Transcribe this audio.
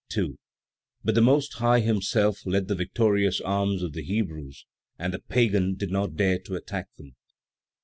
2. But the Most High himself led the victorious arms of the Hebrews, and the Pagans did not dare to attack them.